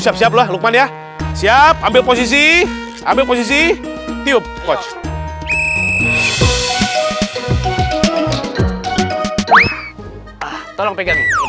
siap siap ya siap ambil posisi ambil posisi